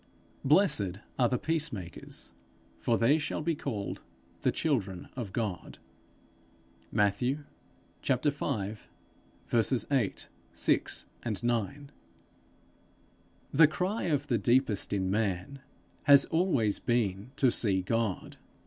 'Blessed are the peace makers, for they shall be called the children of God.' Matthew v. 8, 6, 9. The cry of the deepest in man has always been, to see God.